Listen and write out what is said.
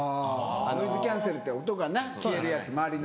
ノイズキャンセルって音がな消えるやつ周りの。